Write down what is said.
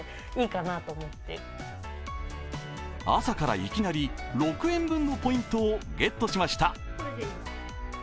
朝から、いきなり６円分のポイントをゲットしました。